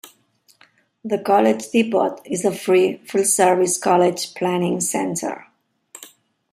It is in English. The College Depot is a free, full-service college planning center.